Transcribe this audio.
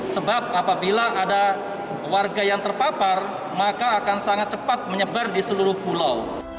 sebab apabila ada warga yang terpapar maka akan sangat cepat menyebar di seluruh pulau